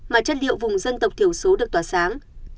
mà chất liệu vùng dân tộc thiểu số được tỏa sáng